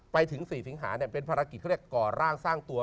ไปถึง๔สิงหาเนี่ยเป็นภารกิจของก่อร่างสร้างตัว